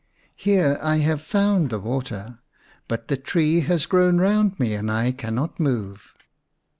Here I have found the water, but the tree has grown round me and I cannot move."